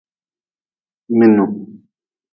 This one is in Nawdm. Minu.